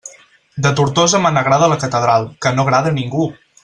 De Tortosa me n'agrada la catedral, que no agrada a ningú!